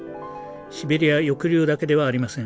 シベリア抑留だけではありません。